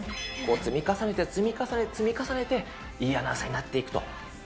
積み重ねて、積み重ねて、積み重ねて、いいアナウンサーになっていくと。